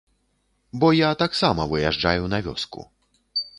Бо я таксама выязджаю на вёску.